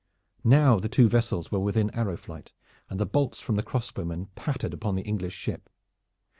Now the two vessels were within arrow flight, and the bolts from the crossbowmen pattered upon the English ship.